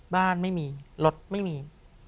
บ้านไม่มีรถไม่มี